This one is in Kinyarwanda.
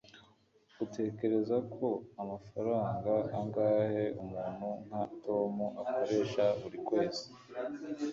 utekereza ko amafaranga angahe umuntu nka tom akoresha buri kwezi